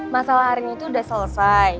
masalah arin itu udah selesai